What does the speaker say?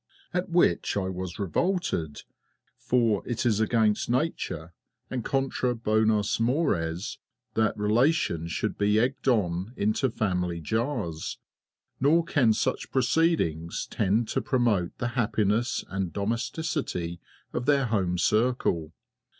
At which I was revolted, for it is against nature and contra bonos mores that relations should be egged on into family jars, nor can such proceedings tend to promote the happiness and domesticity of their home circle.